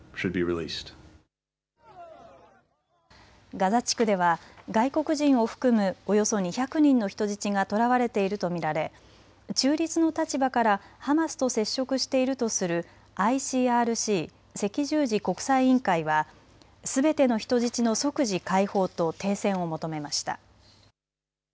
ガザ地区では外国人を含むおよそ２００人の人質が捕らわれていると見られ中立の立場からハマスと接触しているとするＩＣＲＣ・赤十字国際委員会はすべての人質の即時解放と停戦を求めました。